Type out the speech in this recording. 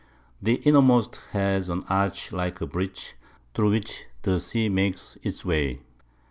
The innermost has an Arch like a Bridge, through which the Sea makes its way.